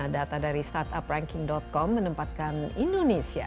data dari startupranking com menempatkan indonesia